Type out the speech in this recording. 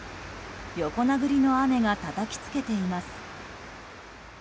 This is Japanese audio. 横殴りの雨がたたきつけています。